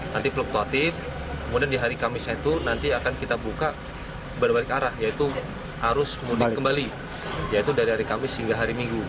nanti fluktuatif kemudian di hari kamis itu nanti akan kita buka berbalik arah yaitu arus mudik kembali yaitu dari hari kamis hingga hari minggu